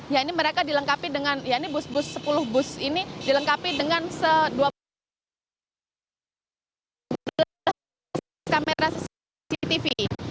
ya ini mereka dilengkapi dengan ya ini bus bus sepuluh bus ini dilengkapi dengan dua belas kamera cctv